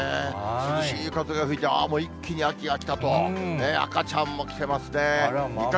涼しい風が吹いて、あー、もう一気に秋が来たという、赤ちゃんも来てますね。